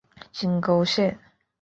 金沟线